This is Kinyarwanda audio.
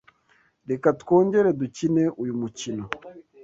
Reka twongere dukine uyu mukino.